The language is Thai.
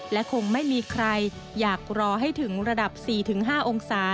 และคงไม่มีใครอยากรอให้ถึงระดับ๔๕องศา